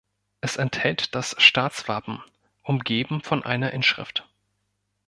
Es enthält das Staatswappen, umgeben von einer Inschrift.